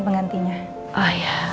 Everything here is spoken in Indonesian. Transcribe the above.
pengantinya oh iya